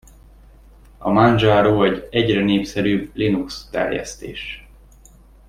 A Manjaro egy egyre népszerűbb Linux terjesztés.